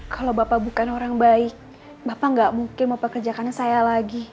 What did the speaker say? kalau bapak bukan orang baik bapak gak mungkin mempekerjakannya saya lagi